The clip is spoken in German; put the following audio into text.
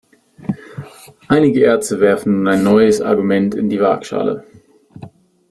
Einige Ärzte werfen nun ein neues Argument in die Waagschale.